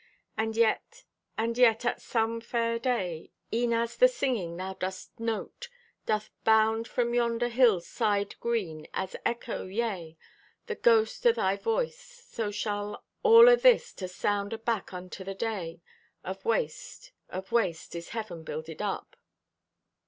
And yet, and yet, at some fair day, E'en as the singing thou dost note Doth bound from yonder hill's side green As echo, yea, the ghost o' thy voice; So shall all o' this to sound aback Unto the day. Of waste, of waste, is heaven builded up.